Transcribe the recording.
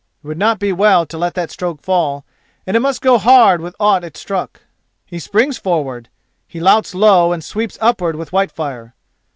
It would not be well to let that stroke fall, and it must go hard with aught it struck. He springs forward, he louts low and sweeps upwards with Whitefire.